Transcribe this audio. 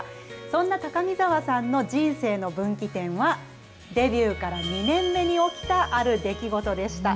そんな高見沢さんの人生の分岐点は、デビューから２年目に起きたある出来事でした。